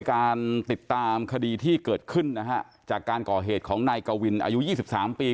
การติดตามคดีที่เกิดขึ้นนะฮะจากการก่อเหตุของนายกวินอายุ๒๓ปี